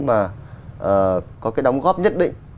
mà có cái đóng góp nhất định